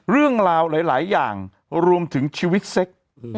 เรื่องราวหลายอย่างรวมถึงชีวิตเซ็ก